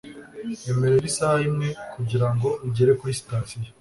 Emerera isaha imwe kugirango ugere kuri sitasiyo.